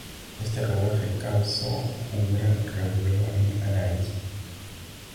Este rodaje causó un gran revuelo en Araiz.